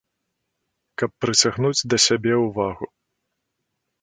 Каб прыцягнуць да сябе ўвагу.